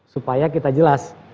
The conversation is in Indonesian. supaya kita jelas